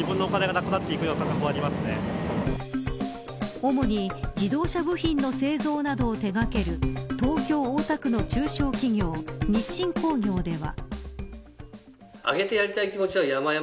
主に自動車部品の製造などを手掛ける東京、大田区の中小企業日進工業では。